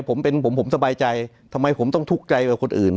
ผมเป็นผมผมสบายใจทำไมผมต้องทุกข์ใจกว่าคนอื่น